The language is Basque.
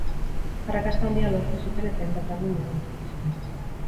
Arrakasta handia lortu zuten eta hainbat album egin zituzten.